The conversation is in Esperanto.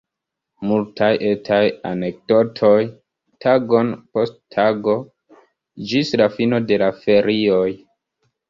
Multaj etaj anekdotoj, tagon post tago, ĝis la fino de la ferioj.